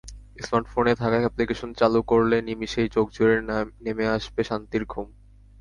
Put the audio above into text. স্মার্টফোনে থাকা অ্যাপ্লিকেশন চালু করলে নিমেষেই চোখজুড়ে নেমে আসবে শান্তির ঘুম।